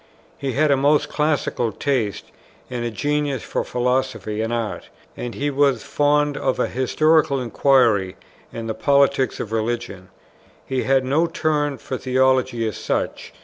He had a most classical taste, and a genius for philosophy and art; and he was fond of historical inquiry, and the politics of religion. He had no turn for theology as such.